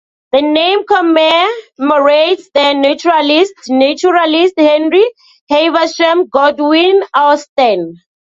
The name commemorates the naturalist Henry Haversham Godwin-Austen.